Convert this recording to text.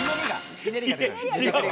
ひねりが。